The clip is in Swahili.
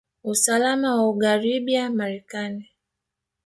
usalama na ugharibiya marekani